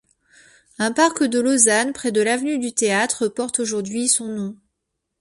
Un parc de Lausanne, près de l'avenue du Théâtre, porte aujourd'hui son nom.